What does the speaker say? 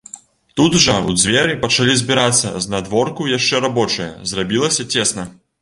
Тут жа ў дзверы пачалі збірацца знадворку яшчэ рабочыя, зрабілася цесна.